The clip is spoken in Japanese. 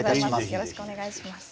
よろしくお願いします。